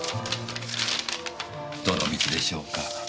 どの道でしょうか？